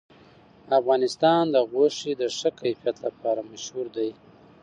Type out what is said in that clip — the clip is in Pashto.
افغانستان د غوښې د ښه کیفیت لپاره مشهور دی.